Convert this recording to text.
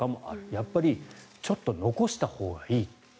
やっぱりちょっと残したほうがいい。